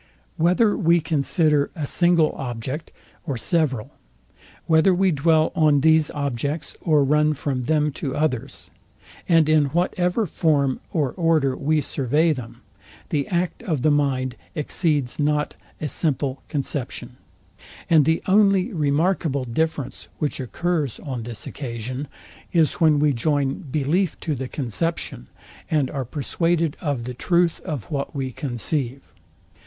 Whether we consider a single object, or several; whether we dwell on these objects, or run from them to others; and in whatever form or order we survey them, the act of the mind exceeds not a simple conception; and the only remarkable difference, which occurs on this occasion, is, when we join belief to the conception, and are persuaded of the truth of what we conceive.